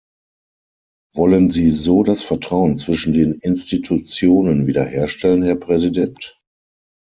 Wollen Sie so das Vertrauen zwischen den Institutionen wiederherstellen, Herr Präsident?